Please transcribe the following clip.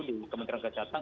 di kementerian kesehatan